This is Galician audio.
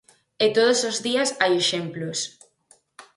E todos os días hai exemplos.